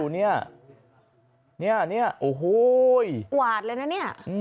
นี่เหวาะเลยนะนี่